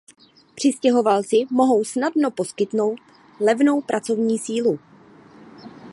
Přistěhovalci mohou snadno poskytnout levnou pracovní sílu.